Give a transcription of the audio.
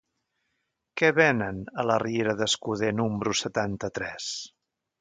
Què venen a la riera d'Escuder número setanta-tres?